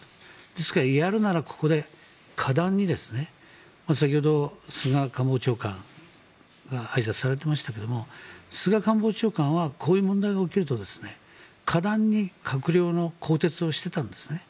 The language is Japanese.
ですから、やるならここで果断に先ほど菅官房長官があいさつされていましたが菅さんはこういう問題が起きると果断に閣僚の更迭をしていたんですね。